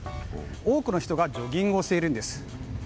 多くの人がジョギングをしているんです。